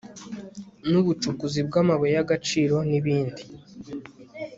n'ubucukuzi bw'amabuye y'agaciro n'ibindi